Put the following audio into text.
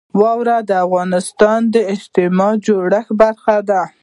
واوره د افغانستان د اجتماعي جوړښت برخه ده.